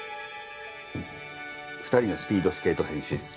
２人のスピードスケート選手